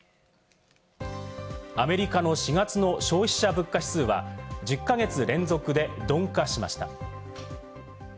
アメリカの４月の消費者物価指数は、１０か月連続で鈍化しました。